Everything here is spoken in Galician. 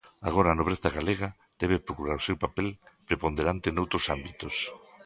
Agora a nobreza galega debe procurar o seu papel preponderante noutros ámbitos.